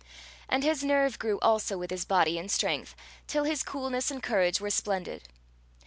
And his nerve grew also with his body and strength, till his coolness and courage were splendid.